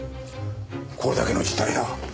これだけの事態だ。